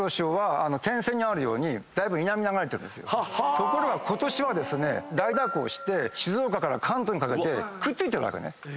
ところが今年は大蛇行して静岡から関東にかけてくっついてるわけね日本に。